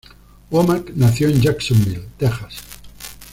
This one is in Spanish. Womack nació en Jacksonville, Texas.